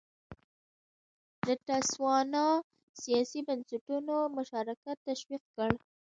د تسوانا سیاسي بنسټونو مشارکت تشویق کړ.